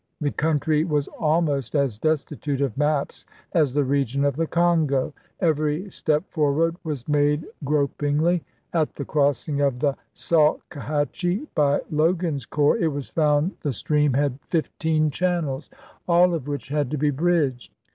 The country was almost as destitute of maps as the region of the Congo ; every step forward was made grop ingly. At the crossing of the Salkehatchie by Logan's corps, it was found the stream had fifteen channels, JOHNSTON'S SURRENDER 231 all of which had to be bridged.